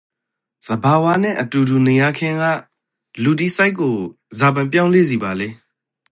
သဘာဝနန့်အတူတူနိန်ရခြင်းကလူတိစိတ်ကိုဇာပိုင် ပြောင်းလဲဇီပါလေ?